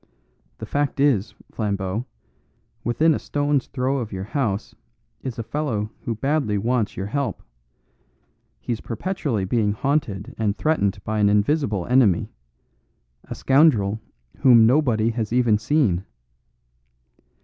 The fact is, Flambeau, within a stone's throw of your house is a fellow who badly wants your help; he's perpetually being haunted and threatened by an invisible enemy a scoundrel whom nobody has even seen."